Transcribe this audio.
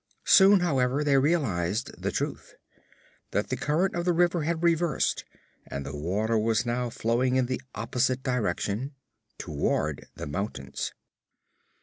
Soon, however, they realized the truth: that the current of the river had reversed and the water was now flowing in the opposite direction toward the mountains.